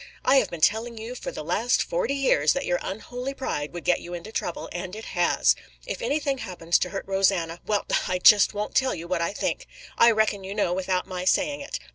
"I have been telling you for the last forty years that your unholy pride would get you into trouble, and it has. If anything happens to hurt Rosanna well, I just won't tell you what I think; I reckon you know without my saying it.